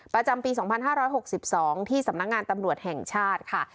ประจำปี๒๕๖๒ที่สำนักงานตำรวจแห่งชาติค่ะ